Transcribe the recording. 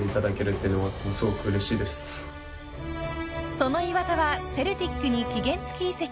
その岩田はセルティックに期限付き移籍。